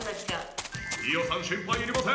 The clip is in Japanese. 伊代さん心配いりません！